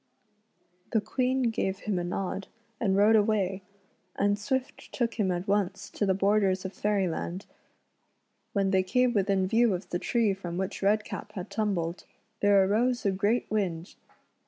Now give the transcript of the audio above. The Queen gave him a nod and rode away, and Swift took him at once to the borders of Fairvland loo REDCAP'S ADVENTURES IN FAIRYLAND. When they came within view of the tree from which Redcap had tumbled, there arose a great wind.